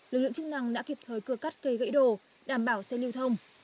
lực lượng chức năng đã kịp thời cưa cắt cây gãy đổ đảm bảo xe lưu thông